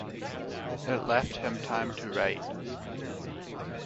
It left him time to write.